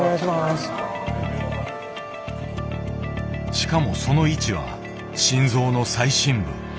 しかもその位置は心臓の最深部。